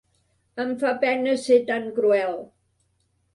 Em fa pena ser tan cruel.